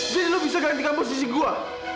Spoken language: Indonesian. jadi lu bisa ganti kamu sisi gua